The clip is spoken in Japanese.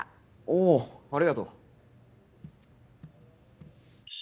おありがとう。